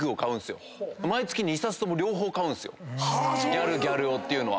ギャルギャル男っていうのは。